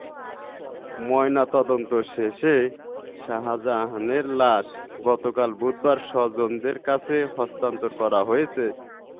ময়নাতদন্ত শেষে শাহজাহানের লাশ গতকাল বুধবার স্বজনদের কাছে হস্তান্তর করা হয়েছে।